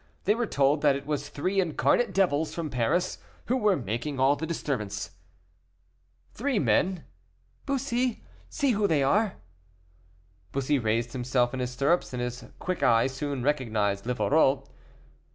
They were told that it was three incarnate devils from Paris who were making all the disturbance. "Three men, Bussy; see who they are." Bussy raised himself in his stirrups, and his quick eye soon recognized Livarot.